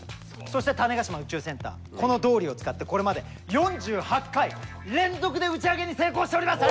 そして種子島宇宙センターこのドーリーを使ってこれまで４８回連続で打ち上げに成功しております。